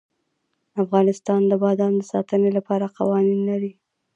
افغانستان د بادام د ساتنې لپاره قوانین لري.